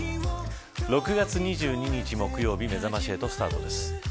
６月２２日木曜日めざまし８スタートです。